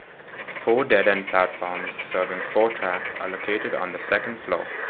Four dead-end platforms serving four tracks are located on the second floor.